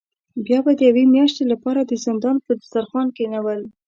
بیا به د یوې میاشتې له پاره د زندان په دسترخوان کینول.